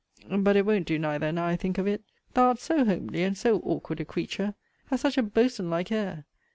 But it won't do neither, now I think of it: Thou art so homely, and so awkward a creature! Hast such a boatswain like air!